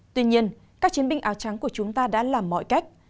tuy nhiên các chiến binh áo trắng của chúng ta đã làm mọi cách